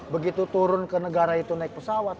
begitu turun ke negara itu naik pesawat